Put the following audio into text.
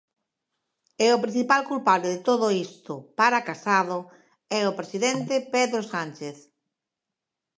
E o principal culpable de todo isto, para Casado, é o presidente Pedro Sánchez.